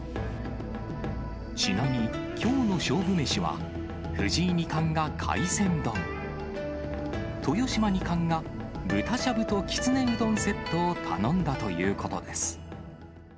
ちなみに、きょうの勝負飯は、藤井二冠が海鮮丼、豊島二冠が豚しゃぶときつねうどんセットを頼んだということです。